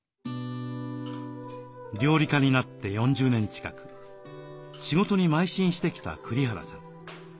料理家になって４０年近く仕事に邁進してきた栗原さん。